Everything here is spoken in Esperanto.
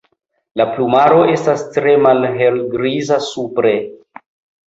La plumaro estas tre malhelgriza supre.